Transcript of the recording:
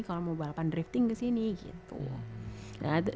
kalau mau balapan drifting kesini gitu